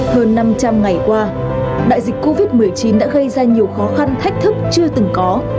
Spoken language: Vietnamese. hơn năm trăm linh ngày qua đại dịch covid một mươi chín đã gây ra nhiều khó khăn thách thức chưa từng có